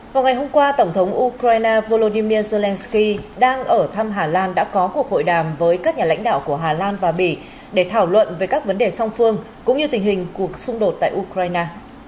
vào ngày hôm qua tổng thống ukraine volodymyr zelensky đang ở thăm hà lan đã có cuộc hội đàm với các nhà lãnh đạo của hà lan và bỉ để thảo luận về các vấn đề song phương cũng như tình hình cuộc xung đột tại ukraine